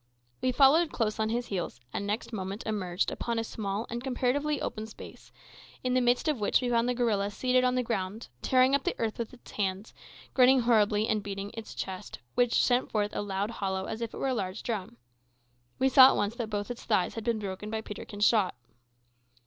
We followed close on his heels, and next moment emerged upon a small and comparatively open space, in the midst of which we found the gorilla seated on the ground, tearing up the earth with its hands, grinning horribly and beating its chest, which sent forth a loud hollow sound as if it were a large drum. We saw at once that both its thighs had been broken by Peterkin's shot.